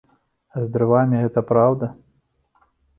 А з дрывамі гэта праўда?